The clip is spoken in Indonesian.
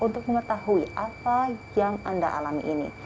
untuk mengetahui apa yang anda alami ini